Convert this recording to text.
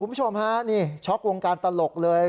คุณผู้ชมฮะนี่ช็อกวงการตลกเลย